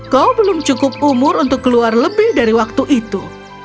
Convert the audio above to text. kau belum cukup umur untuk keluar lebih dari waktu itu